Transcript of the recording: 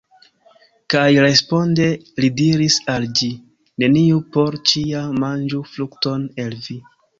Kaj responde li diris al ĝi: Neniu por ĉiam manĝu frukton el vi.